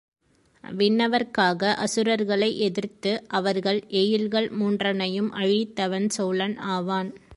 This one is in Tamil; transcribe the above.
விண்ணவர்க்காக அசுரர்களை எதிர்த்து அவர்கள் எயில்கள் மூன்றனையும் அழித்தவன் சோழன் ஆவான்.